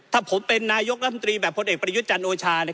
ถ้าผมเป็นนายกรัฐบนตรีแบบคนเอกปริยุจรรโอชา